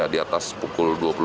di atas pukul dua puluh